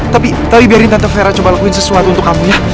tapi tapi biarin tante vera coba lakuin sesuatu untuk kamu ya